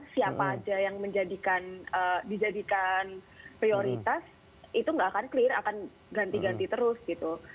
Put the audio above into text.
siapa aja yang dijadikan prioritas itu nggak akan clear akan ganti ganti terus gitu